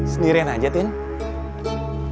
sendirian aja tinn